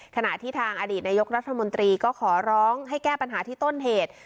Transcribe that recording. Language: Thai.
ขณะที่ทางอดีตนายกรัฐมนตรีก็ขอร้องให้แก้ปัญหาที่ต้นเหตุ